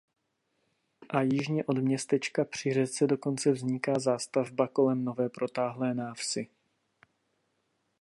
A jižně od městečka při řece dokonce vzniká zástavba kolem nové protáhlé návsi.